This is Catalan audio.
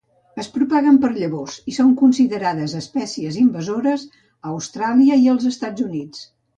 Es propaguen per llavors i són considerats espècies invasores a Austràlia i els Estats Units.